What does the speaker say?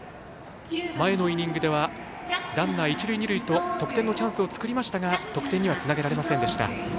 前のイニングではランナー、一塁二塁と得点のチャンスを作りましたが得点にはつなげられませんでした。